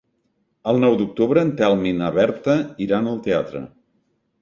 El nou d'octubre en Telm i na Berta iran al teatre.